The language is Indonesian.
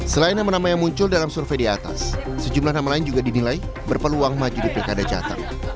selain nama nama yang muncul dalam survei di atas sejumlah nama lain juga dinilai berpeluang maju di pilkada jateng